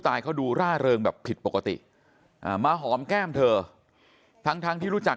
เขาดูร่าเริงแบบผิดปกติมาหอมแก้มเธอทั้งทั้งที่รู้จัก